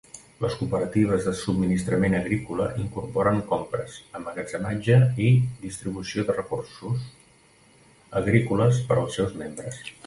Les cooperatives de subministrament agrícola incorporen compres, emmagatzematge i distribució de recursos agrícoles per als seus membres.